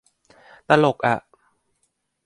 ตลกอะ